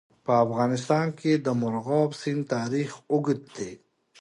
په افغانستان کې د مورغاب سیند تاریخ اوږد دی.